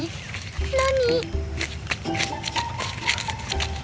何？